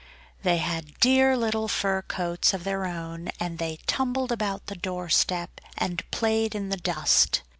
They had dear little fur coats of their own; and they tumbled about the doorstep and played in the dust.